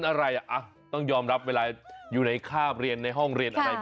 โอ้โหละดูอิ่มท้อง